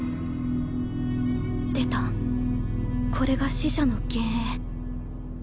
出たこれが死者の幻影